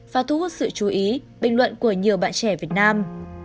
và thu hút sự chú ý bình luận của nhiều bạn trẻ việt nam